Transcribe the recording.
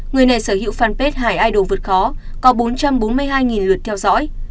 người này sở hữu fanpage hải idol vượt khó có bốn trăm bốn mươi hai lượt theo dõi